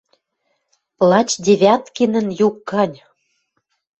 Лач Девяткинӹн юк гань: